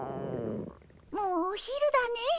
もうお昼だねえ。